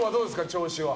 調子は。